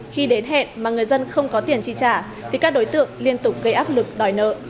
khi đến hẹn mà người dân không có tiền chi trả thì các đối tượng liên tục gây áp lực đòi nợ